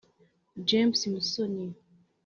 James Musoni